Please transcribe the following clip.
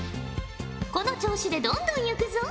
この調子でどんどんゆくぞ。